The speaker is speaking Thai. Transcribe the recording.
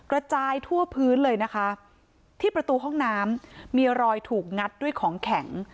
กระจายทั่วพื้นเลยนะคะที่ประตูห้องน้ำมีรอยถูกงัดด้วยของแข็ง